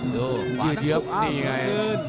ดูขวาทั้งทุกอ้าวสุดขึ้น